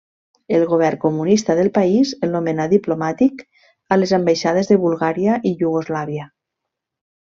El govern comunista del país el nomenà diplomàtic a les ambaixades de Bulgària i Iugoslàvia.